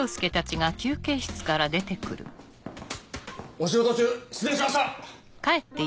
お仕事中失礼しました！